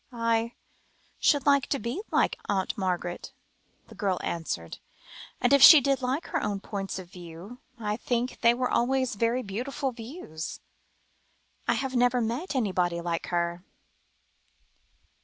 "I should like to be like Aunt Margaret," the girl answered; "and if she did like her own points of view, I think they were always very beautiful views. I have never met anybody like her."